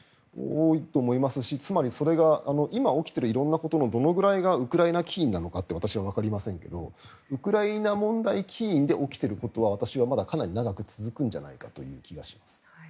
多いと思いますし今、起きている色んなことのどのくらいがウクライナ起因なのか私はわかりませんがウクライナ問題起因で起きていることはまだ長く続くんじゃないかという気がします。